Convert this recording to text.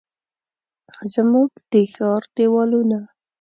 زموږ د ښار دیوالونه،